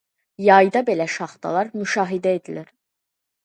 Yayda belə şaxtalar müşahidə edilir.